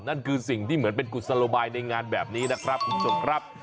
นั่นคือสิ่งที่เหมือนเป็นกุศโลบายในงานแบบนี้นะครับคุณผู้ชมครับ